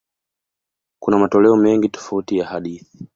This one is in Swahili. Kuna matoleo mengi tofauti ya hadithi.